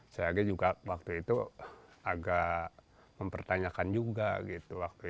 saya juga waktu itu agak mempertanyakan juga gitu